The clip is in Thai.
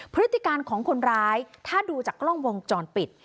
พฤติการของคนร้ายถ้าดูจากกล้องวงจรปิด